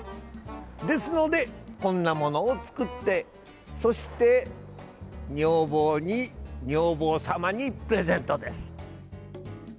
ですので、こんなものを作ってそして女房に女房様にプレゼントです。